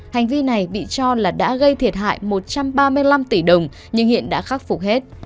hành vi này bị cho là đã gây thiệt hại một trăm ba mươi năm tỷ đồng nhưng hiện đã khắc phục hết